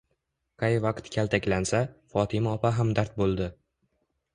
Qay vaqt kaltaklansa, Fotima opa hamdard bo'ldi.